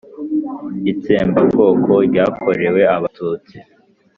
itsembabwoko ryakorewe abatutsi».